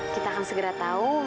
kita akan segera tahu